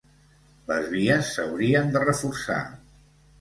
Les vies s’haurien de reforçar.